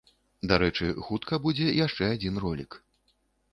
Дарэчы, хутка будзе яшчэ адзін ролік.